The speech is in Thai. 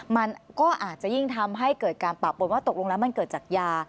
มันก็อาจจะยิ่งทำให้เกิดการปะปนว่าตกลงแล้วมันเกิดจากยา